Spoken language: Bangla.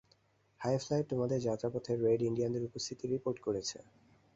হাই ফ্লাইট তোমাদের যাত্রা পথে রেড ইন্ডিয়ানদের উপস্থিতি রিপোর্ট করেছে।